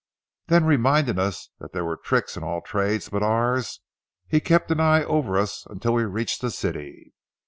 Then reminding us that "there were tricks in all trades but ours," he kept an eye over us until we reached the city.